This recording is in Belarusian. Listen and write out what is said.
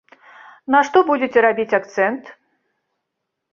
На што будзеце рабіць акцэнт?